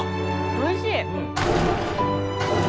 おいしい！